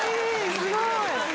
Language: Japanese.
すごい！